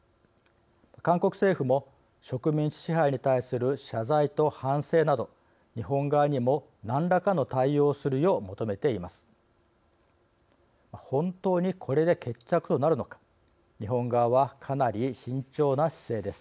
韓国政府も、植民地支配に対する謝罪と反省など、日本側にも何らかの対応をするよう求めています。